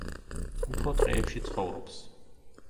უფრო ტყეებში ცხოვრობს.